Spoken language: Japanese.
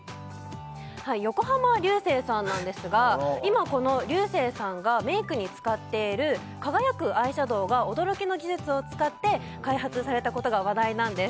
横浜流星さんなんですが今この流星さんがメイクに使っている輝くアイシャドウが驚きの技術を使って開発されたことが話題なんです